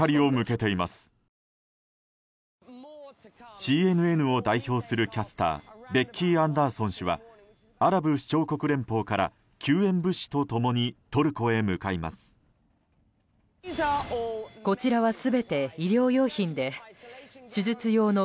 ＣＮＮを代表するキャスターベッキー・アンダーソン氏はアラブ首長国連邦から救援物資と共にトルコへ向かいます。